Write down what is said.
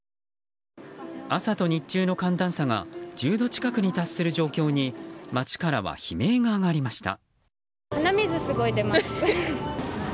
朝と日中の寒暖差が１０度近くに達する状況に街からは悲鳴が上がりました。